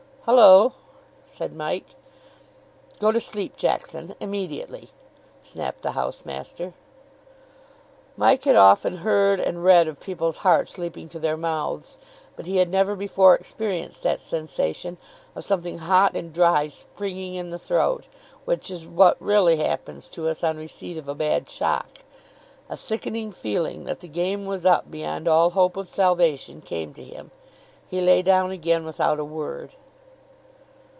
"Hullo!" said Mike. "Go to sleep, Jackson, immediately," snapped the house master. Mike had often heard and read of people's hearts leaping to their mouths, but he had never before experienced that sensation of something hot and dry springing in the throat, which is what really happens to us on receipt of a bad shock. A sickening feeling that the game was up beyond all hope of salvation came to him. He lay down again without a word.